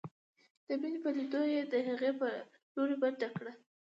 د مينې په ليدو يې د هغې په لورې منډه کړه.